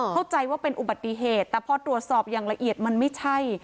เข้าใจว่าเป็นอุบัติเหตุแต่พอตรวจสอบอย่างละเอียดมันไม่ใช่